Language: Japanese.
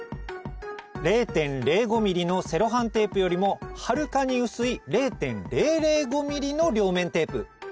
０．０５ｍｍのセロハンテープよりもはるかに薄い０．００５ｍｍの両面テープ